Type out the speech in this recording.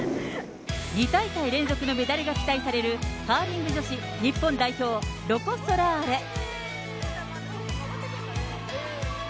２大会連続のメダルが期待される、カーリング女子日本代表、ロコ・ソラーレ。